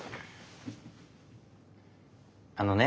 あのね